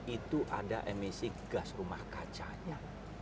itu ada emisi gas rumah kacanya